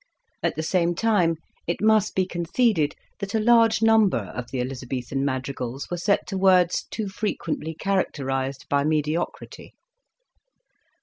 At the same time it must be conceded that a large number of the Eliza bethan madrigals were set to words too frequently characterised by mediocrity.